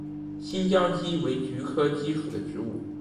新疆蓟为菊科蓟属的植物。